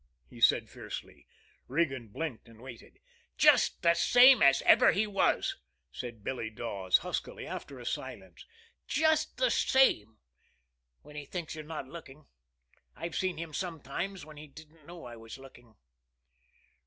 he said fiercely. Regan blinked and waited. "Just the same as ever he was," said Billy Dawes huskily, after a silence. "Just the same when he thinks you're not looking. I've seen him sometimes when he didn't know I was looking."